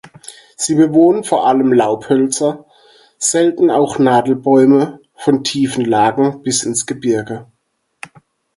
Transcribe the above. Sie bewohnen vor allem Laubhölzer, selten auch Nadelbäume von tiefen Lagen bis ins Gebirge.